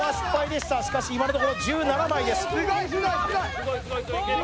しかし今のところ１７枚です。